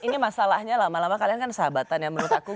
ini masalahnya lama lama kalian kan sahabatan ya menurut aku